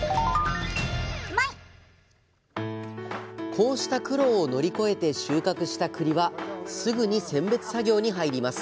こうした苦労を乗り越えて収穫したくりはすぐに選別作業に入ります。